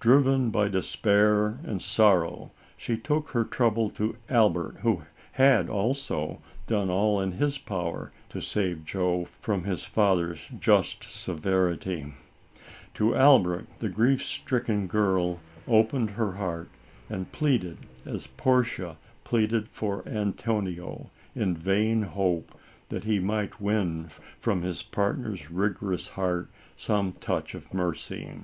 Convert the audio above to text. Driven by despair and sorrow she took her trouble to Albert, who had, also, done all in his power to save Joe from his father's just severity. To Albert the grief stricken girl opened her heart and pleaded as Portia pleaded for Antonio, in a vain hope, that he might ALICE ; OR, THE WAGES OF SIN. 75 win from his partner's rigorous heart, some touch of mercy.